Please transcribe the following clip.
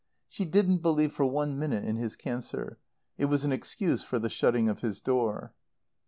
She didn't believe for one minute in his cancer. It was an excuse for the shutting of his door.